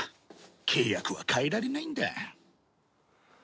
契約は変えられないんだ。